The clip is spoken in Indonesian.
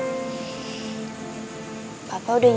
kamu gak usah mikirin ke arah situ deh ya